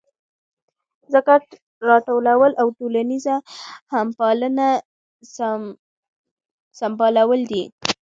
ذکات راټولول او ټولنیزه همپالنه سمبالول دي.